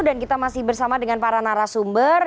dan kita masih bersama dengan para narasumber